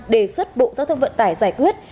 đề xuất bộ giao thông vận tải giải quyết